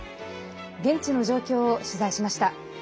現地の状況を取材しました。